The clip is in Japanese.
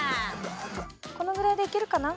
このぐらいでいけるかな？